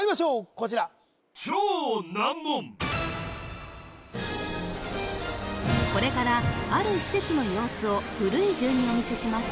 こちらこれからある施設の様子を古い順にお見せします